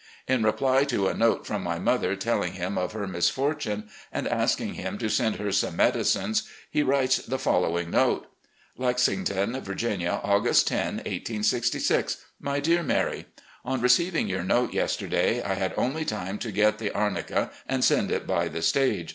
In reply to a note from my mother telling him of her misfortune and asking him to send her some medicines, he writes the following note: "Lexington, Virginia, August lo, 1866. "My Dear Mary: On receiving your note, yesterday, I had only time to get the arnica and send it by the stage.